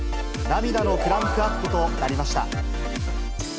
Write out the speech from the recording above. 涙のクランクアップとなりました。